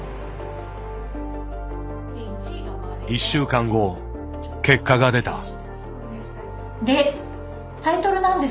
１週間後結果が出た。